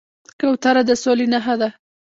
کوتره د سولې نښه ده.